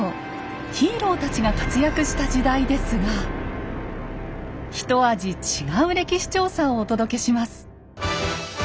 ヒーローたちが活躍した時代ですがひと味違う歴史調査をお届けします。